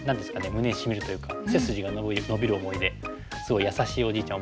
胸にしみるというか背筋が伸びる思いですごい優しいおじいちゃん